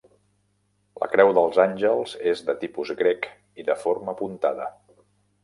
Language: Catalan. La Creu dels Àngels és de tipus grec i de forma puntada.